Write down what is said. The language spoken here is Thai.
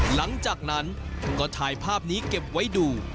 หลังจากนั้นก็ถ่ายภาพนี้เก็บไว้ดู